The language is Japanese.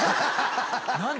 何で？